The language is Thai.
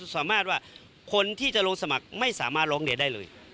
สมมติว่าคนที่จะลงสมัครไม่สามารถลงเดชน์ได้เลย